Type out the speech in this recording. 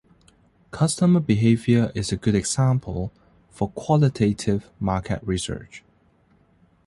Customer behaviour is a good example for qualitative market research.